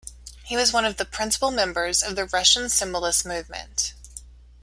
He was one of the principal members of the Russian Symbolist movement.